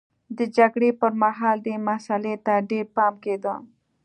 د جګړې پرمهال دې مسئلې ته ډېر پام کېده.